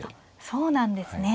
そうなんですね。